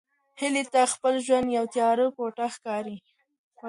هیلې ته خپل ژوند یوه تیاره کوټه ښکارېده.